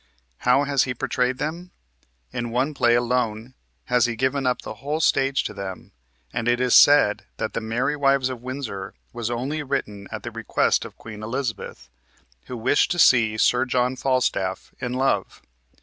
How has he portrayed them? In one play alone has he given up the whole stage to them, and it is said that the "Merry Wives of Windsor" was only written at the request of Queen Elizabeth, who wished to see Sir John Falstaff in love.